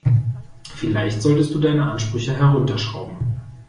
Vielleicht solltest du deine Ansprüche herunterschrauben.